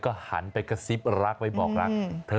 ก็หันไปกระซิบรักไปบอกรักเธอ